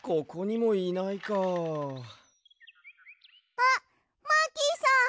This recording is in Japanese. あっマーキーさん！